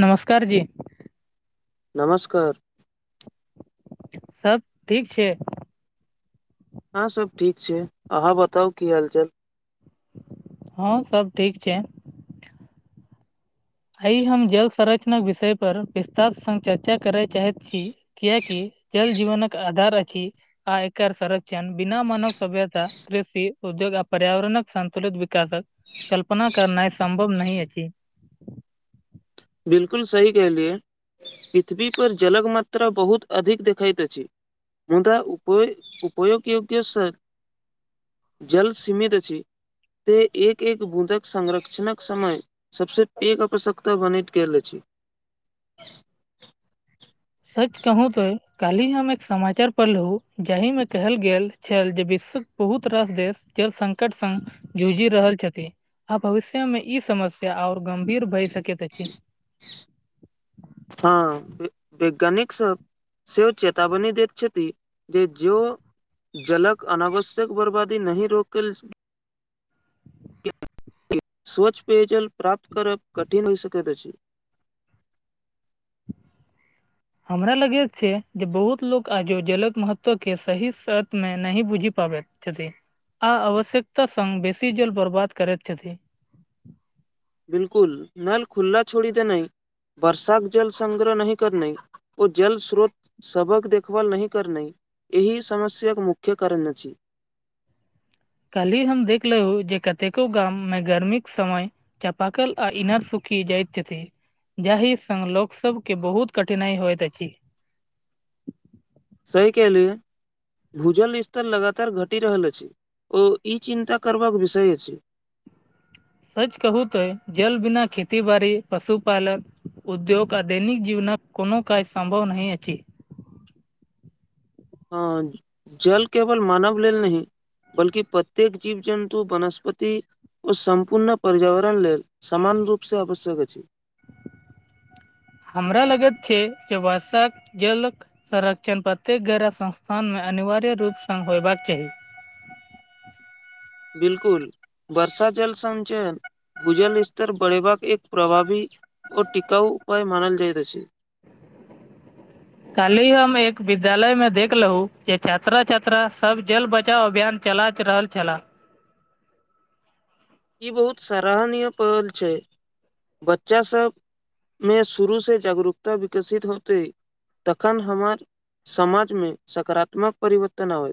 नमस्कार जी। नमस्कार। सभ ठीक छै हँ सभ ठीक छी अहाँ बताउ कि हालचाल हँ सभ ठीक छै आइ हम जल संरचनक विषय परर विस्तार संघ चर्चा करय चाहैत छी किएकि जल जीवन का आधार अछि आ एकर संरक्षण बिना मानव सभ्यता कृषि उद्योग आ पर्यावरणक संन्तुलित विकासकऽ कल्पना करनाई सम्भव नहि अछि बिल्कूल सही कहलियै पृथ्वी पर जलक मात्रा बहुत अधिक देखैत अछि मुदा तऽ उपय उपयो यै किस जल सीमित अछि। एक एक बूदक संरक्षणक समय सभसँ एक आवश्यकता बनेत कए ले अछि सच कहू तो काल्हि हम एक समाचार पढ़लहु जाहिमे कहल गेल छल जे विश्व। बहुत रास देश जल संकट संघ जूझि रहल छथि आ भविष्य मे ई समस्या ओर गंभीर भए सक अछि ह वैज्ञानिकसभ से ओ चेतावनी दैत छथिन जे जलक अनावश्यकऽ बर्बादी नहि रोकल स्वच्छ पेयजल प्राप्त करब कठिन होई सकैत अछि हमरा लगैत छै जे बहुत लोक आजो जलकऽ महत्त्व के सही शर्तमे नहि बुझि पाबैत छथिन आ आवश्यकता संघ बेसी जल बर्बाद कर छथि बिल्कूल नल खुला छोड़ी देना वर्षाक जल सग्रह नहि कर ओ जल स्रोत सभसँ देखभाल नहि कर एहि समस्याक मुख्य कारण अछि काल्हि हम देखलेहु जे कतेको गाम मे गर्मी कऽ समय चापा कल आ इनारसूखी जयत छथि जाहि संघ लोकसभके बहुत कठिनाइ होइत अछि सहि कहलिहन। भूजल स्तर लगातार घटि रहल अछि ओ ई चिन्ता करबाक विषय अछि सच कहू तो जल बिना खेती बाड़ी पशुपालन उद्योग आ दैनिक जीवनक कोनो काज सम्भव नहीं अछी हँ जल केवल मानव लेल नहीं बल्कि प्रत्येक जीव जन्तु वनस्पति ओ सम्पूर्ण पर्यावरण लेल समान रूपसँ आवश्यक अछि हमरा लगैत छै जे वर्षाक जल कऽ संरक्षण प्रत्येक गैरह संस्थानमे अनिवार्य रूप स होयबाक चाही बिल्कुल वर्षा जल संचयन भूजल स्तर बढ़ेबाक एक प्रभावी ओ टिकाउ उपाय मानल जाइत अछि काल्हि हम एक विद्यालय में देखलू जे छात्रा छात्रा सब जल बचाव अभियान चलाथ रहल छलाह ई बहुत सराहनीय पहल छै [inaudible] बच्चा सब में शुरू से जागरूकता विकसित होते तखन हमर समाज में सकारात्मक परिवर्तन आबै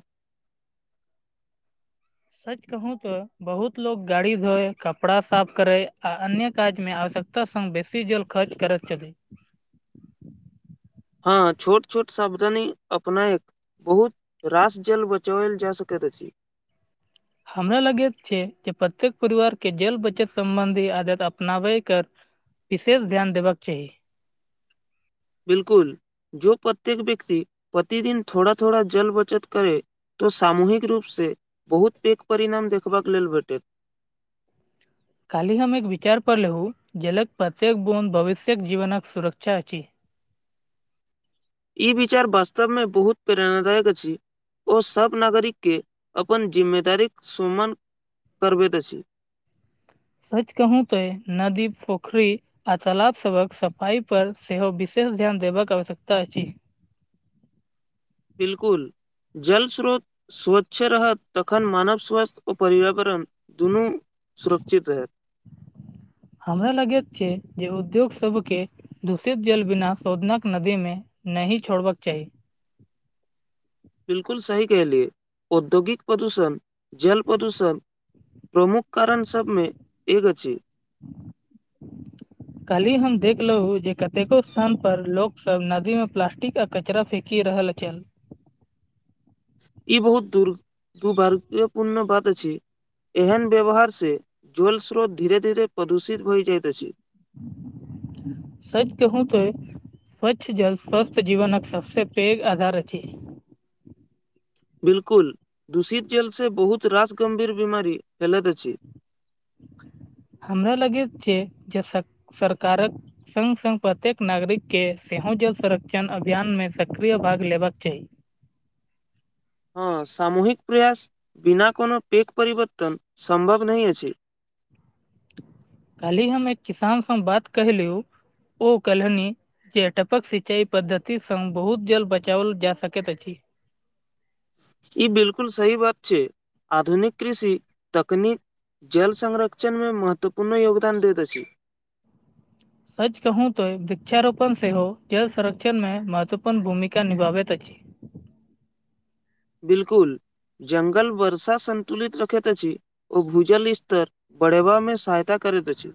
सच कहू तो बहुत लोग गाड़ी धोए कपड़ा साफ करे आ अन्य काज में आवश्यकता ता संग बेसी जल खर्च करैत छथि हँ छोट छोट सावधानी अपनाएक बहुत रास जल बचओल जा सकैत अछि हमरा लगैत छै जे प्रत्येक परिवार केँ जल बचत सम्बंधी आदत अपनावे कऽ विशेष ध्यान देब कऽ चाही बिल्कुल जो प्रत्येक व्यक्ति प्रतिदिन थोड़ा थोड़ा जल बचत करे तऽ सामूहिक रूपसँ बहुत पैघ परिणाम देखबाक लेल भेटैत काल्हि हम एक विचार पड़ले हूँ जलक प्रत्येक बुंद भविष्यक जीवनक सुरक्षा अछि ई विचार वास्तवमे बहुत प्रेरणादाय कऽ अछि ओ सभ नागरिक केँ अपन जिम्मेदारीक सुमन करबैत अछि सच कहू तो नदी पोखरी आ तालाब सभक सफाइपर सेहो विशेष ध्यान देबाक आवश्यकता अछि बिल्कुल जल स्रोत स्वच्छ रहत तखन मानव स्वास्थ्य आ पर्यावरण दुनू सुरक्षित रहत हमरा लगैत छै जे उद्योग सब केँ दूषित जल बिना शोधनक नदी में नहीं छोड़बाक चाही बिल्कुल सही कहलियए औद्योगिक प्रदूषण जल प्रदूषण प्रमुख कारण सब में एक अछि [unintelligible] कल्हि हम देखलहु जे कतेको स्थान पर लोक सब नदी में प्लास्टिक आ कचरा फेेक की रहल चल ई बहुत दुर दुर्भाग्यपूर्ण बात अछि एहन व्यवहार से जल स्रोत धीरे धीरे प्रदूषित भैऽ जाइत अछि सच कहु तै स्वच्छ जल स्वस्थ जीवन कऽ सब स पैघ आधार अछि बिल्कुल दूषित जेल स बहुत रास गम्भीर बीमारी फैलैत अछि हमरा लगैत छै जे सर सरकारक संग संग प्रत्येक नागरिक केँ सेहो जल संरक्षण अभियान में सक्रिय भाग लेबाक चाही हँ सामूहिक प्रयास बिना कोनो पैेक परवर्तन सम्भव नहीं अछि कहालहि हम एक किसानसँ बात कहहिलेहु ओ कहलहनी जे टपक सिंचाई पद्धति सङ् बहुत जल बचाओल जा सकैत अछि ई बिलकुल सही बात छै आधुनिक कृषि तकनीक जल संरक्षणमे महत्वपूर्ण योगदान दैत अछि सच कहू तो वृक्षारोपण सेहो जल संरक्षण में महत्वपूर्ण भूमिका निभाबैत अछि बिल्कुल जङ्गल वर्षा सन्तुलित रखैत अछि ओ भूजल स्तर बढ़ेबामे सहायता करैत अछि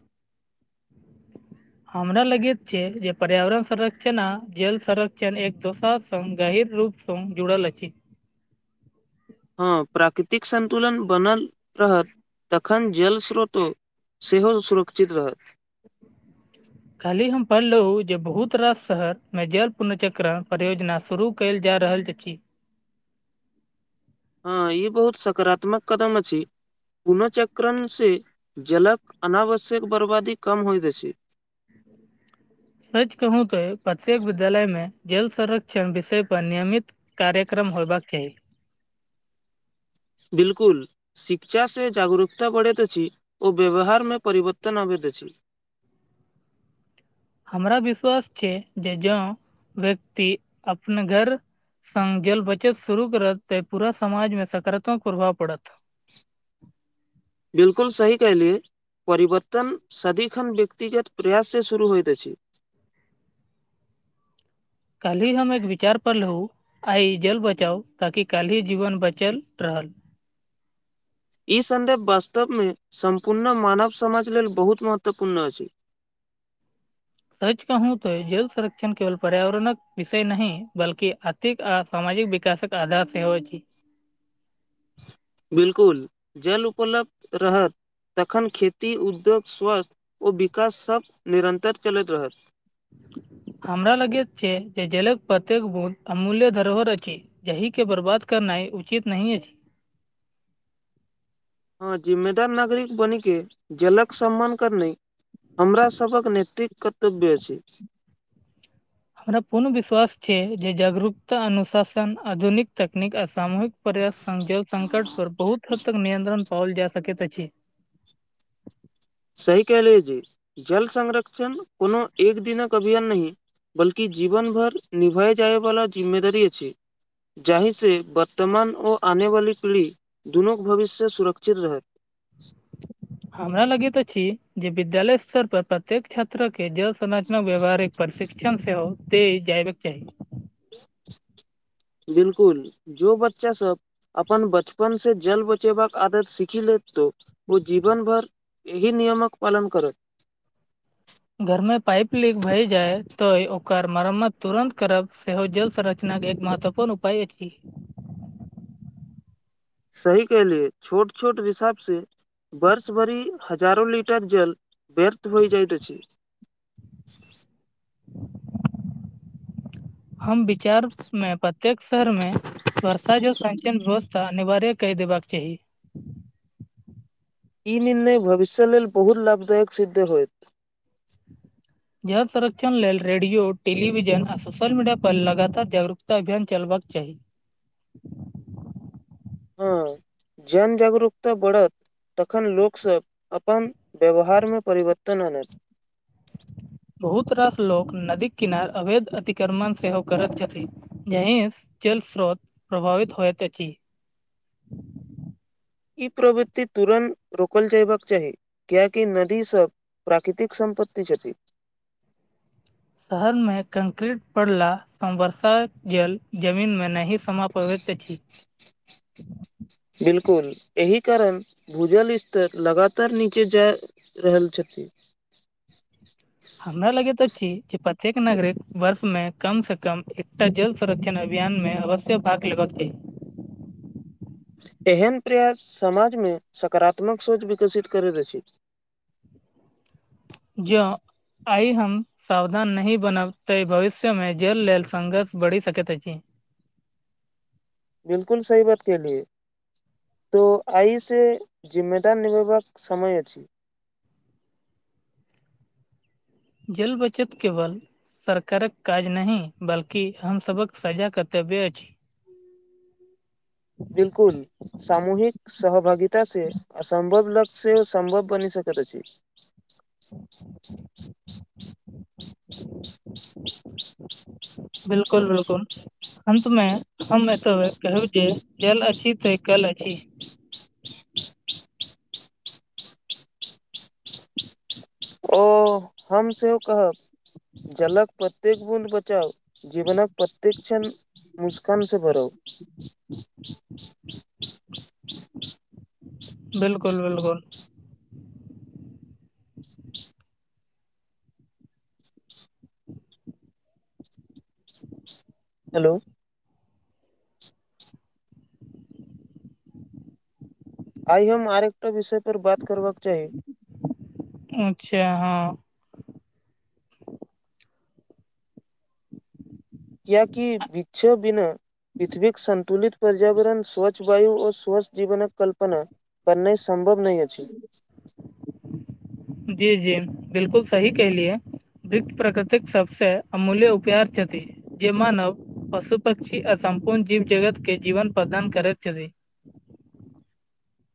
हमरा लगैत छै जे पर्यावरण संरक्षण आ जल संरक्षण एक दोसर स गहीर रूप सङ्ग जुड़ल छी हँ प्राकृतिक संन्तुलन बनल रहत तखन जल स्रोतो सेहो सुरक्षित रहत काहली पढ़लहु जे बहुत रास शहर मे जल पुनर्चक्रण परियोजना शुरू कयल जा रहल अछि हँ ई बहुत सकारात्मक कदम अछि पुनःचक्रणसँ जलके अनावश्यक बर्बादी कम होइत छै सच कहू तो प्रत्येक विद्यालय में जल संरक्षण विषय पर नियमित कार्यक्रम होबाक छै बिलकुल शिक्षा से जागरूकता बढ़ैत अछि ओ व्यवहारमे परिवर्तन आबैत अछि हमरा विश्वास छै जे जो व्यक्ति अपना घर सङ्ग जल बचत शुरू करत तऽ पूरा समाजमे सकारात्मक प्रभाव पड़त बिलकुल सही कल परिवर्तन सदिखन व्यक्तिगत प्रयाससँ शुरू होइत अछि काल ही हम एक विचार पढलु आ जल बचाउ ताकि काल्हि ही जीवन बचल रहत ई सन्देभ वास्तवमे सम्पूर्ण मानव समाज लेल बहुत महत्वपूर्ण अछि सच कहू त जल संरक्षण केवल पर्यावरणक विषय नहि बल्ि आथिक आ सामाजिक विकासक आधार सेहो अछि बिलकुल जल उपलब्ध रहत तखन खेती उद्योग स्वास्थ्य ओ विकाससभ निरन्तर चलैत रहत हमरा लाग छै जे जेलक प्रत्येक बोत अमूल्य धरोहर अछि यहि के बर्बाद करनाइ उचित नहि अछि जी हँ जिम्मेदार नागरिक बन के जलक सम्मान करना हमरासक नैतिक कर्तव्य अछि। हमरा पूर्ण विश्वास छै जे जागरूकता अनुशासन आधुनिक तकनीक आ सामूहिक। पर्यास्त जल संकट पर बहुत हद तक नियंत्रण पाओल जा सकैत अछि। सही कलिय जे जल संरक्षण कोनो एक दिनक अभियान नहि। बल्कि जीवन भर निभए जायवालला जिम्मेदारी अछि जाहिसँ वर्तमान ओ आनेवाली पीढ़ी दुनूक भविष्यसँ सुरक्षित रहत हमरा लगेित छी जे विद्यालय स्तर पर प्रत्येक छात्रके जल संरचनक व्यवहारिक प्रशिक्षण सेहो तेल जयबाक चाही बिलकुल जो बच्चासभ अपन बचपनसँ जल बचेबाक आदत सीखि लेत तो ओ जीवन भर। इही नियमक पालन करत। घरमे पाइप लीक भए जाय तऽ ओकर मरम्मत तुरन्त करब सेहो जल संरचनाके एक महत्व। कोन उपाय छी। सही कहलियै छोट छोट हिसाब से। बर्ष भरि हजारो लिटर जल व्यर्थ होई जाइत अछि। हम बिचार मे प्रत्येक शहर मे। वर्षा जो संचयन व्यवस्था अनिवार्य कहि देबाकऽ चाही। ई निर्णय भविष्य लेलऽ बहुत लाभदायक सिद्ध होयत। जल संरक्षण लेलऽ रेडियो टेलीविजन आ सोशल मीडिया पर लगातार जागरूकता अभियान चलबाक चाही। हा [inaudible] जनजागरूकता बढ़त। तखन लोक सभ अपन व्यवहारमे परिवर्तन आन तऽ बहुत तरह से लोक नदीक किनार अवैध अतिक्रमण सेहो करैत छथिन। जहिस जलस्रोत प्रभावित होयत छी। ई प्रवृति तुरन्त रोकल जयबाकऽ चाही। कियाकि नदीसभ प्राकृतिक सम्पत्ति छथि। शहर मे कंक्रीट पड़ला बर्षात जल जमीन मे न। समापवैत अछि। बिल्कूल एहि कारण भूजल स्तर लगातार नीचे जा। रहल छथिन। हमरा लगैत अछि जे प्रत्येक नागरिक वर्ष मे कम से कम एकटा जल। संरक्षण अभियान मे अवश्य भाग लेबा के। एहन प्रयास समाज मे सकारात्मक सोच विकसित करैत अछि। जो आई हम। सावधान नहि बनबते भविष्यमे जेल लेल संघर्ष बढ़ि सकैत अछि। बिल्कूल सही बात कलियै। तऽ आइ से जिम्मेदार निभेबाक समय आ अछि। जल बचतके केवल सरकारक काज नहि बल्कि हमसभक सझा कर्तव्य अछि। बिल्कूल सामूहिक सहभागित से असम्भव लक्ष से ओ सम्भव बनि सकैत अछि। बिल्कूल बिल्कूल अंत मे हम एतय कहु जे जल अछि तऽ कल अछि। ओ हम सब कहब। जलक प्रत्येक बूंद बचाव जीवनकऽ प्रत्येक क्षण। मुस्कानसँ भरउ। बिल्कूल बिल्कूल हेलो। आई हम आर एकटा विषय पर बात करबाका चाही। अच्छा ह कियाकि बिछ बिना पृथ्वीक सन्तुलित पर्यावरण स्वच्छ वायु ओ स्वच्छ जीवनकऽ कल्पना बनाइ सम्भव नहि अछि जी जी बिल्कूल सही कहलियएै। ब्रिक प्रकृतिक सभसँ अमूल्य उपहारार छथि। जे मानव पशु पक्षी आ सम्पूर्ण जीव जगत के जीवन प्रदान करैत छथिन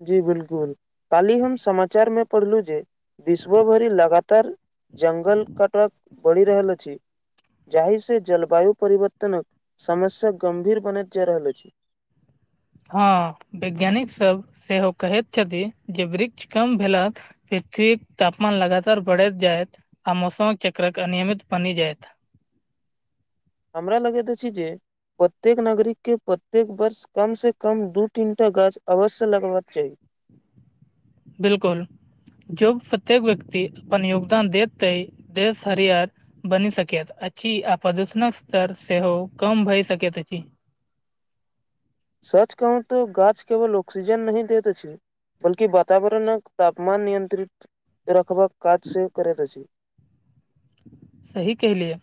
जी बिल्कूल कालहि हम समाचारमे पढ़लहु जे विश्व भरि लगातार। जंगल काटवक बढ़ि रहल अछि। जाहिसँ जलवायु परिवर्तनकऽ समस्या गम्भीर बनैत जा रहल अछि हँ वैज्ञानिक सभ सेहो कहैत छथिन जे वृक्ष कम भेलथि पृथ्वी तापमान लगातार बढ़ जायत आ मौसम कऽ चक्रक अनियमित बनी जायत हमरा लगैत अछि जे प्रत्येक नागरिक के प्रत्येक वर्ष कम से कम दू तीनटा गाछ अवश्य लगबाकऽ चाही बिल्कूल जब प्रत्येक व्यक्ति अपन योगदान देत ते देश हरियर बनी सक अछि आदूषणक स्तर सेहो कम भइ सकैत अछि सच कहू तो गाछ केवल ऑक्सीजन नही देत छै बल्कि वातावरणक तापमान नियंत्रित रखबाकऽ काज से करैत अछि सही कहलियै।